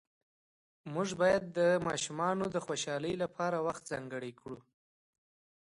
موږ باید د ماشومانو د خوشحالۍ لپاره وخت ځانګړی کړو